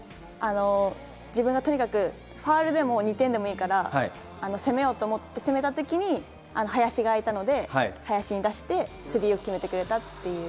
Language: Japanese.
自分がとにかくファウルでも２点でもいいから攻めようと思って攻めたときに林が空いたので、林に出してスリーを決めてくれたという。